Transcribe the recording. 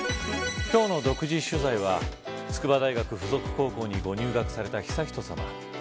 今日の独自取材は筑波大学附属高校にご入学された悠仁さま。